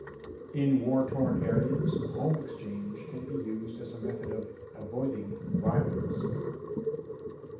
In war-torn areas, home exchange can be used as a method of avoiding violence.